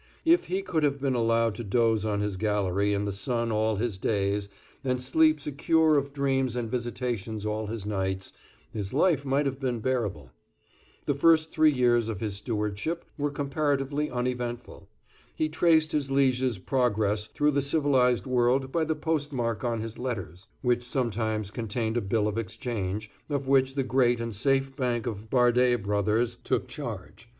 If he could have been allowed to doze on his gallery in the sun all his days, and sleep secure of dreams and visitations all his nights, his life might have been bearable. The first three years of his stewardship were comparatively uneventful. He traced his liege's progress through the civilized world by the post mark on his letters, which sometimes contained a bill of exchange, of which the great and safe bank of Bardé Brothers took charge.